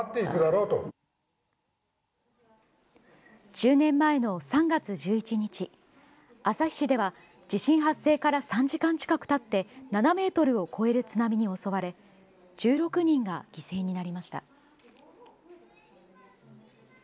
１０年前の３月１１日旭市では地震発生から３時間近くたって７ｍを超える津波に襲われ１６人が犠牲になりました。